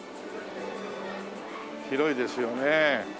広いですよね。